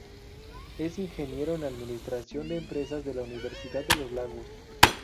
Es ingeniero en administración de empresas de la Universidad de Los Lagos.